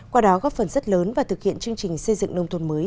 qua đó góp phần rất lớn và thực hiện chương trình xây dựng nông thôn mới